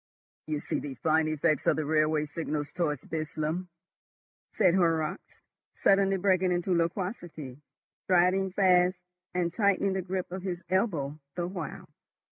"You see the fine effect of the railway signals towards Burslem," said Horrocks, suddenly breaking into loquacity, striding fast, and tightening the grip of his elbow the while.